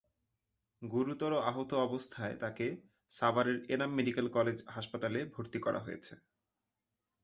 গুরুতর আহত অবস্থায় তাকে সাভারের এনাম মেডিকেল কলেজ হাসপাতালে ভর্তি করা হয়েছে।